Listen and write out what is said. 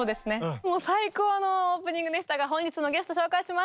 もう最高のオープニングでしたが本日のゲスト紹介します。